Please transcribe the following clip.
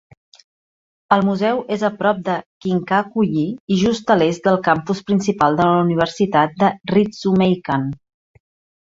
El museu és a prop de Kinkaku-ji i just a l'est del campus principal de la Universitat de Ritsumeikan.